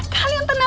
kalian tenang aja